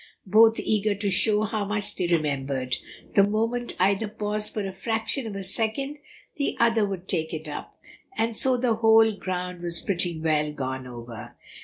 Both eager to show how much they remembered, the moment either paused for the fraction of a second, the other would take it up, and so the whole ground was pretty well gone over.